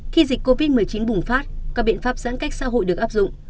khi dịch covid một mươi chín bùng phát các biện pháp giãn cách xã hội được áp dụng